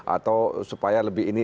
atau supaya lebih ini